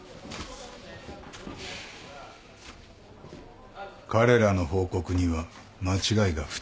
彼らの報告には間違いが２つあった。